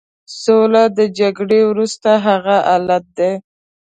سوله د جګړې وروسته هغه حالت دی.